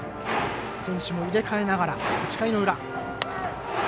選手も入れ替えながら、８回の裏。